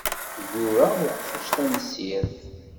Yura uqcic tamsirt.